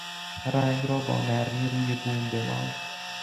رنگ را با نرمی روی بوم بمال